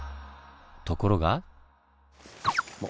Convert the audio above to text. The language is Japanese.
ところが。